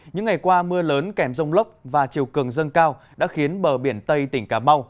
những ngày qua mưa lớn kèm rông lốc và chiều cường dâng cao đã khiến bờ biển tây tỉnh cà mau